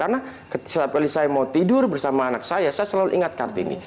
karena setiap kali saya mau tidur bersama anak saya saya selalu ingat kartini